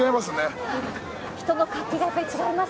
人の活気がやっぱり違います